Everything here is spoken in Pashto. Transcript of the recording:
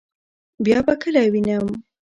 بیا به کله وینم؟